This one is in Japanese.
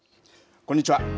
こんにちは。